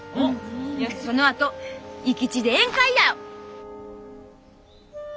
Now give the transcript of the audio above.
そのあと生き血で宴会や！